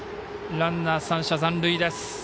ランナー、３者残塁です。